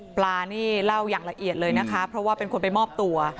ปลานี่เล่าอย่างละเอียดเลยนะคะเพราะว่าเป็นคนไปมอบตัว